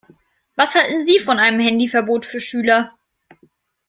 Was halten Sie von einem Handyverbot für Schüler?